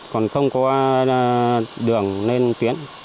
còn không có đường lên tuyến